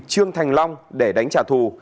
trương thành long để đánh trả thù